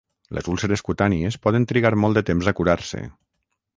Les úlceres cutànies poden trigar molt de temps a curar-se.